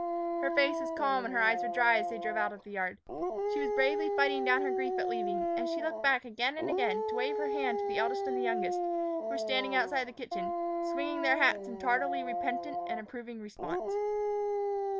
Her face was calm and her eyes were dry as they drove out of the yard. She was bravely fighting down her grief at leaving, and she looked back again and again to wave her hand to the eldest and the youngest, who were standing outside the kitchen, swinging their hats in tardily repentant and approving response.